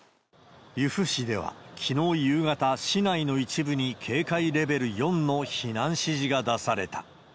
由布市では、きのう夕方、市内の一部に警戒レベル４の避難指示が出された。